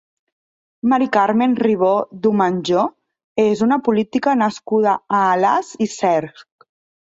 Mari Carmen Ribó Domenjó és una política nascuda a Alàs i Cerc.